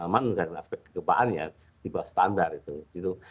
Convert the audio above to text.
bangunan bangunan yang terjadi di jepang itu memang tidak terjadi